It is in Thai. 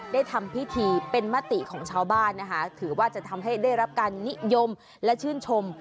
ทำพิธีเป็นมติของชาวบ้านนะคะถือว่าจะทำให้ได้รับการนิยมและชื่นชม